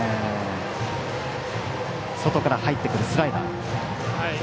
外から入ってくるスライダー。